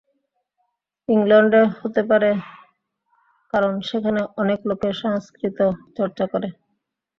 ইংলণ্ডে হতে পারে, কারণ সেখানে অনেক লোকে সংস্কৃত চর্চা করে।